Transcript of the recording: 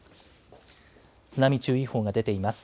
津波注意報が出ています。